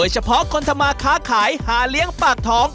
เฉพาะคนทำมาค้าขายหาเลี้ยงปากท้อง